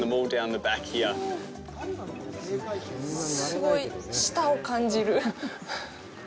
すごい、舌を感じる。